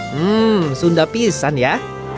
hmm sunda pisan ya